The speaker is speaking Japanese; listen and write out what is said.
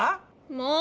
もう！